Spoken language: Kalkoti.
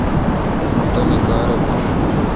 مہ تانی کار بھو۔